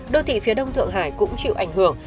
đô thị phía đông thượng hải cũng chịu ảnh hưởng